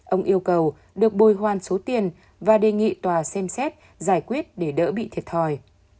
ông yêu cầu được bồi hoàn số tiền và đề nghị tòa xem xét giải quyết để đỡ bị thiệt thòi